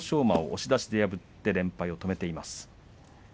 馬を押し出しで破って連敗を止めています。